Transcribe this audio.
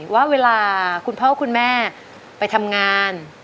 ว่าเวลาคุณพ่อคุณแม่ไปทำงาน